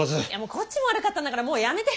こっちも悪かったんだからもうやめて！